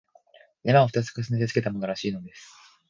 「山」を二つ重ねてつけたものらしいのです